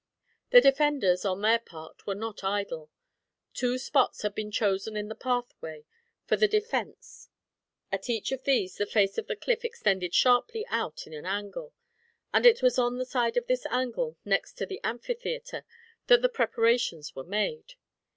The defenders, on their part, were not idle. Two spots had been chosen in the pathway for the defense At each of these the face of the cliff extended sharply out in an angle, and it was on the side of this angle next to the amphitheater that the preparations were made.